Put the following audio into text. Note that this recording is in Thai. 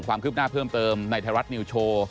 ความคืบหน้าเพิ่มเติมในไทยรัฐนิวโชว์